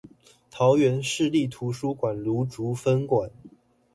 桃園市立圖書館蘆竹分館